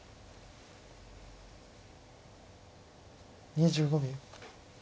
２５秒。